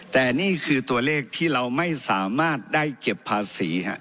แต่นี่คือตัวเลขที่เราไม่สามารถได้เก็บภาษี